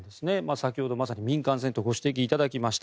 先ほどまさに民間船とご指摘いただきました。